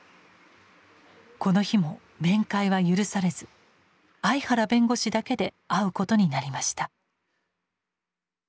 この日も面会は許されず相原弁護士だけで会うことになりました。